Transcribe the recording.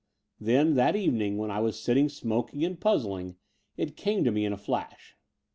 Then, that evening, when I was sitting smoking and puzzling, it came to me in a flash.